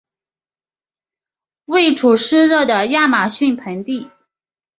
位处湿热的亚马逊盆地。